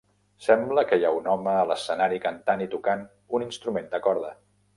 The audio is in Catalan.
Sembla que hi ha un home a l'escenari cantant i tocant un instrument de corda.